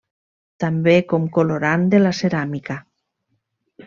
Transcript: També com colorant de la ceràmica.